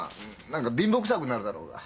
何か貧乏くさくなるだろうが。